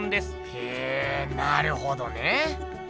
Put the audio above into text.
へぇなるほどね。